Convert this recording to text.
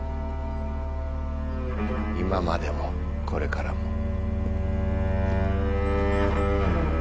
今までもこれからも。